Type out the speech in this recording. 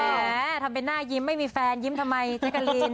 แหมทำเป็นหน้ายิ้มไม่มีแฟนยิ้มทำไมแจ๊กกะลีน